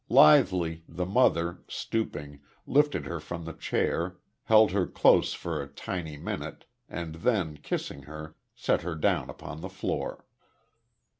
Lithely, the mother, stooping, lifted her from the chair, held her close for a tiny minute and then, kissing her, set her down upon the floor.